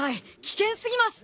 危険過ぎます！